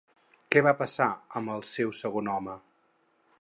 Què va passar amb el seu segon home?